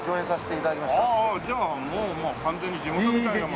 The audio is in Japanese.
じゃあもう完全に地元みたいな。